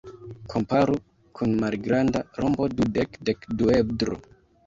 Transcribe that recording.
Komparu kun malgranda rombo-dudek-dekduedro.